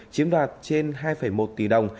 chiếm đoạt trên hai một tỷ đồng